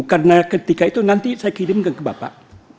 karena ketika itu nanti saya kirim ke bapak